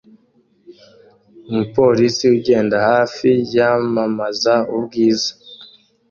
Umupolisi ugenda hafi yamamaza ubwiza